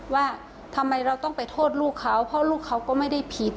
ว่าทำไมเราต้องไปโทษลูกเขาเพราะลูกเขาก็ไม่ได้ผิด